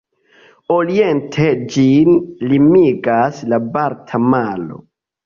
Oriente ĝin limigas la Balta Maro.